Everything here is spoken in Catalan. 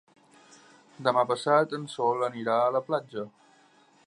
Demà passat en Sol anirà a la platja.